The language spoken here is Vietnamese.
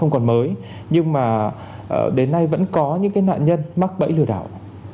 không còn mới nhưng mà đến nay vẫn có những cái nạn nhân mắc bẫy lừa đảo